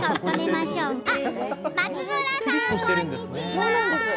松村さんこんにちは。